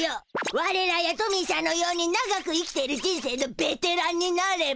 われらやトミーしゃんのように長く生きている人生のベテランになれば。